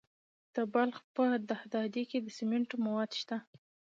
د بلخ په دهدادي کې د سمنټو مواد شته.